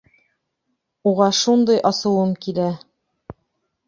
Уға шундай асыуым килә...